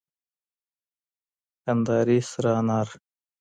کندهاري سره انار.